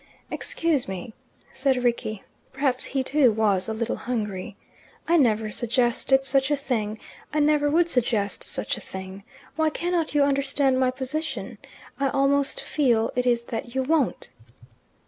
"Excuse me," said Rickie, perhaps he too was a little hungry, "I never suggested such a thing. I never would suggest such a thing. Why cannot you understand my position? I almost feel it is that you won't."